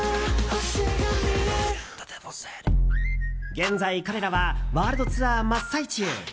現在、彼らはワールドツアー真っ最中。